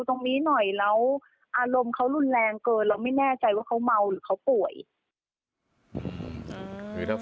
ตรงนี้หน่อยแล้วอารมณ์เขารุนแรงเกินเราไม่แน่ใจว่าเขาเมาหรือเขาป่วย